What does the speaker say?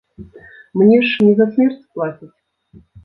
Мне ж не за смерць плацяць.